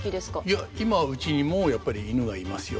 いや今うちにもやっぱり犬がいますよ。